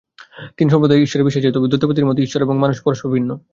তিন সম্প্রদায়ই ঈশ্বরে বিশ্বাসী, তবে দ্বৈতবাদীদের মতে ঈশ্বর এবং মানুষ পরস্পর ভিন্ন।